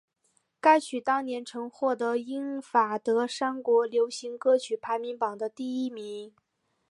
该曲当年曾获得英法德三国流行歌曲排行榜的第一名。